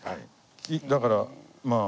木だからまあ。